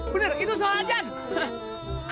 bener itu suara ajan hahah